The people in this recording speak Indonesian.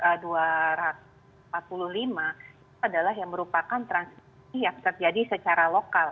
itu adalah yang merupakan transisi yang terjadi secara lokal